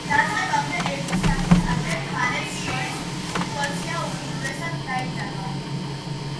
დაწყებამდე ერთი საათით ადრე ფანებს შორის სიტუაცია უკიდურესად დაიძაბა.